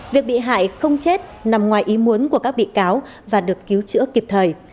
việc bị hại không chết nằm ngoài ý muốn của các bị cáo và được cứu chữa kịp thời